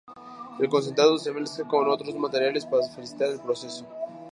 El concentrado se mezcla con otros materiales para facilitar el proceso.